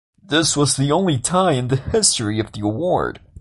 This was the only tie in the history of the award.